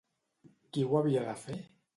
Qui ho havia de fer?